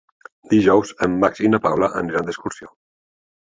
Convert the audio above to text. Dijous en Max i na Paula aniran d'excursió.